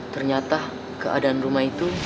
ternyata keadaan rumah itu